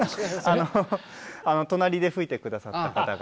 あの隣で吹いてくださった方々。